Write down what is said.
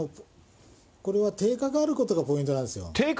これは定価があることがポイントなんですよ。